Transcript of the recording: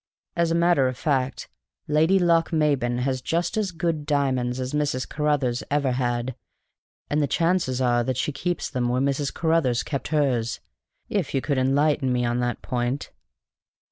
As a matter of fact, Lady Lochmaben has just as good diamonds as Mrs. Carruthers ever had; and the chances are that she keeps them where Mrs. Carruthers kept hers, if you could enlighten me on that point."